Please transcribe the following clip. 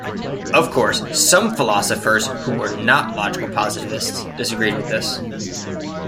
Of course, some philosophers who were not logical positivists disagreed with this.